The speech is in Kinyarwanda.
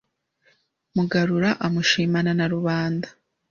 Mugarura amushimana na rubanda,